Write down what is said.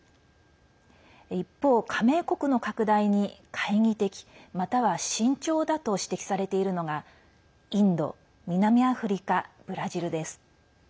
一方、加盟国の拡大に懐疑的または慎重だと指摘されているのがインド、南アフリカブラジルです。